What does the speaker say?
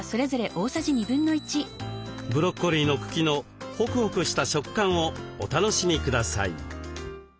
ブロッコリーの茎のホクホクした食感をお楽しみください。